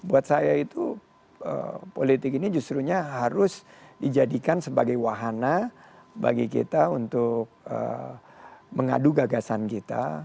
buat saya itu politik ini justrunya harus dijadikan sebagai wahana bagi kita untuk mengadu gagasan kita